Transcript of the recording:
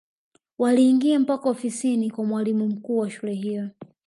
waliingia mpaka ofisini kwa mwalimu mkuu wa shule hiyo